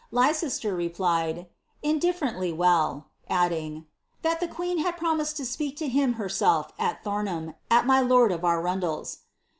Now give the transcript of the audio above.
Leicester replied, ^ Indifferently well ;" adding, ^ that the queen had promised to ipeak to him herself at Thomham, at my lord of ArundePs."